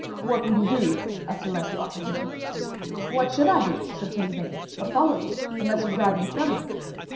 'What would you do?' asked Sir Lancelot of him. 'What should I do,' said Sir Lavaine, 'but follow you, unless you drive me from you?'